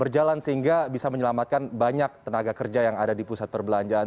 berjalan sehingga bisa menyelamatkan banyak tenaga kerja yang ada di pusat perbelanjaan